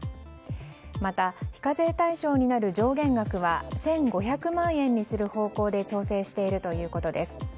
また、非課税対象になる上限額は１５００万円にする方向で調整しているということです。